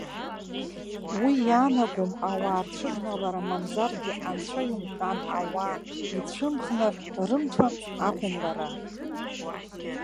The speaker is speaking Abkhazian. Уи иаанагом ауаа рцәыбналара мамзаргьы, анцәа иумҳәан, ауаа ицәымӷны рымԥан ақәымлара.